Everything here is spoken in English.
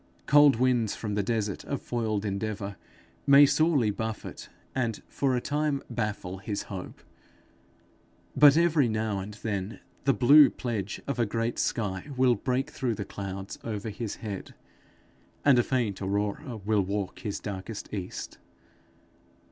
cold winds from the desert of foiled endeavour may sorely buffet and for a time baffle his hope; but every now and then the blue pledge of a great sky will break through the clouds over his head; and a faint aurora will walk his darkest East.